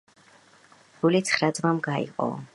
ერთი თხილის გული, ცხრა ძმამ გაიყოო.